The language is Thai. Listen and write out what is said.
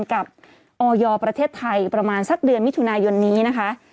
กับออยประเทศไทยประมาณสักเดือนมิถุนายนนี้นะคะ